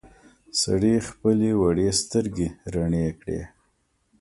سړي خپلې وړې سترګې رڼې کړې.